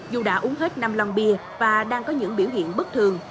dù đã uống hết năm lòng bia và đang có những biểu hiện bất thường